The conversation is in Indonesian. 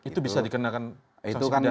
itu bisa dikenakan saksi pilihan apa